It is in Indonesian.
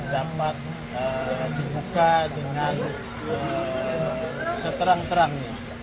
dapat dibuka dengan seterang terangnya